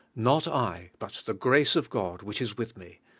"Not I, but the grace of God which is with me" (I.